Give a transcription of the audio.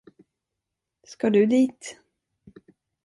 Ska du dit?